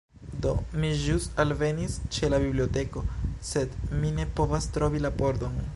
Do, mi ĵus alvenis ĉe la biblioteko sed mi ne povas trovi la pordon